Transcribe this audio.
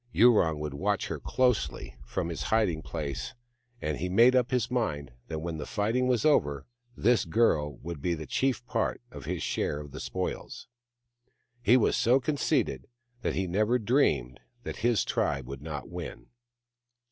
Yurong would watch her closely from his THE MAIDEN WHO FOUND THE MOON 137 hiding place, and he made up his mind that when the fighting was over this girl should be the chief part of his share of the spoils. He was so conceited that he never dreamed that his tribe would not win.